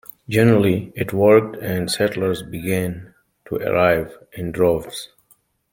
Generally it worked and settlers began to arrive in droves.